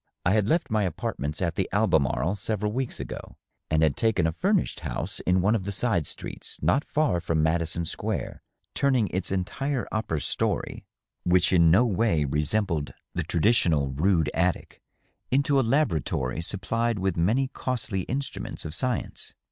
I had left my apartments at the Albemarle several weeks ago, and had taken a furnished house in one of the side streets not far from Madison Square, turning its entire upper story (which in no way resembled the DOUGLAS DUANE, 657 traditional rude attic) into a laboratory supplied with many costly in struments of science.